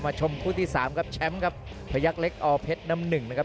ชมคู่ที่สามครับแชมป์ครับพยักษ์เล็กอเพชรน้ำหนึ่งนะครับ